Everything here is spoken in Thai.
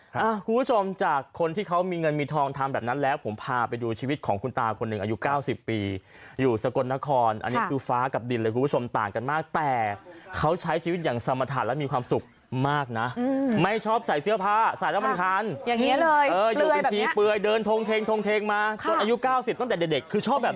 คุณผู้ชมจากคนที่เขามีเงินมีทองทำแบบนั้นแล้วผมพาไปดูชีวิตของคุณตาคนหนึ่งอายุเก้าสิบปีอยู่สกลนครอันนี้คือฟ้ากับดินเลยคุณผู้ชมต่างกันมากแต่เขาใช้ชีวิตอย่างสมฐานและมีความสุขมากนะไม่ชอบใส่เสื้อผ้าใส่แล้วมันคันอย่างเงี้เลยเอออยู่เป็นทีเปลือยเดินทงเทงทงเทงมาจนอายุเก้าสิบตั้งแต่เด็กเด็กคือชอบแบบ